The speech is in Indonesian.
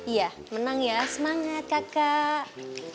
iya menang ya semangat kakak